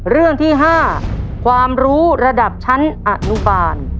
เรื่องที่๕ความรู้ระดับชั้นอนุบาล